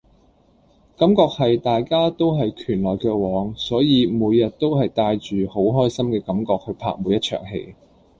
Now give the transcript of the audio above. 感覺係大家都係拳來腳往，所以每日都係帶着好開心嘅感覺去拍每一場戲